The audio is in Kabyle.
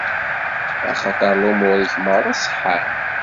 Axaṭer lumuṛ-ik merra ṣeḥḥan.